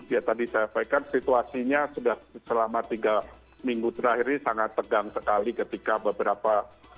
ya tadi saya sampaikan situasinya sudah selama tiga minggu terakhir ini sangat tegang sekali ketika beberapa